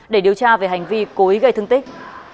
để điều tra về hành vi cố ý gây thương tích